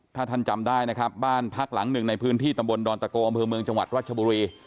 ถ้าท่านจำได้นะครับบ้านพักหลังหนึ่งในพื้นที่ตำบลดอนตะโกอำเภอเมืองจังหวัดรัชบุรี